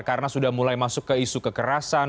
karena sudah mulai masuk ke isu kekerasan